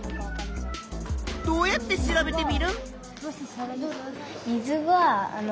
どうやって調べテミルン？